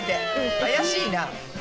怪しいな。